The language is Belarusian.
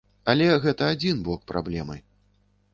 Але гэта адзін бок праблемы.